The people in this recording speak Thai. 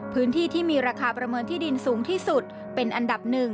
พื้นที่ที่มีราคาประเมินที่ดินสูงที่สุดเป็นอันดับหนึ่ง